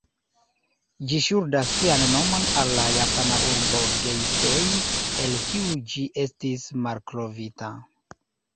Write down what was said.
Ĝi ŝuldas sian nomon al la japana urbo "Geisei", el kiu ĝi estis malkovrita.